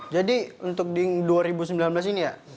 jadi untuk dua ribu sembilan belas ini ya